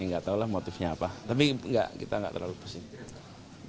ya nggak tau lah motifnya apa tapi kita nggak terlalu positif